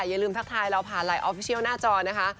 อย่าลืมทักทายเราผ่านไลนออฟฟิเชียลหน้าจอนะคะ